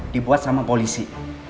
dibuat sama polisi